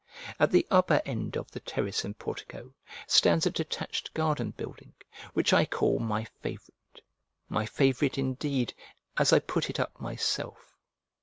At the upper end of the terrace and portico stands a detached garden building, which I call my favourite; my favourite indeed, as I put it up myself.